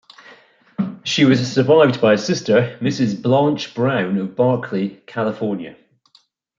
She was survived by a sister, Mrs. Blanche Brown of Berkeley, California.